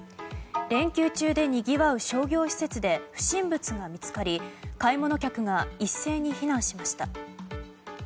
連休中でにぎわう商業施設で不審物が見つかり買い物客が一斉に避難しました。